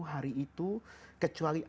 hari itu kecuali